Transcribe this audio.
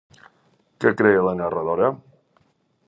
Què creia la narradora?